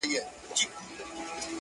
له څپو څخه د امن و بېړۍ ته؛